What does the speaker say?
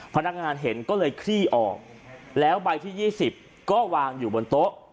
พนักงานเห็นก็เลยคลี่ออกแล้วใบที่๒๐ก็วางอยู่บนโต๊ะ